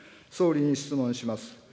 総理に質問します。